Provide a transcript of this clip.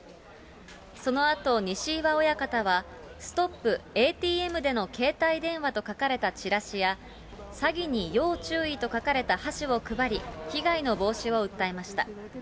そのあと西岩親方は、ストップ！ＡＴＭでの携帯電話と書かれたチラシや、詐欺に要注意と書かれた箸を配り、被害の防止を訴えました。